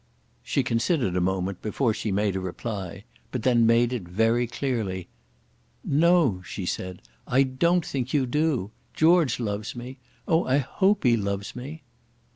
She considered a moment before she made a reply, but then made it very clearly: "No," she said, "I don't think you do. George loves me. Oh, I hope he loves me."